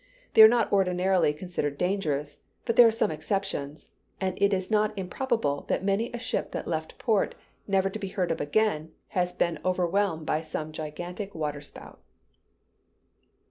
They are not ordinarily considered dangerous: but there are some exceptions, and it is not improbable that many a ship that left port, never to be heard of again, has been overwhelmed by some gigantic water spout.